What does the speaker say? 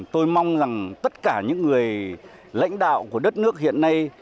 tôi mong rằng tất cả những người lãnh đạo của đất nước hiện nay